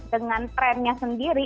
dengan trennya sendiri